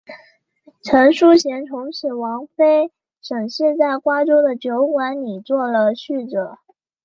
陈叔贤从此王妃沈氏在瓜州的酒馆里做了侍者。